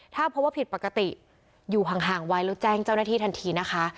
ถ้าพบว่าผิดปกติอยู่ห่างไว้แล้วแจ้งเจ้าหน้าที่ทันทีนะคะ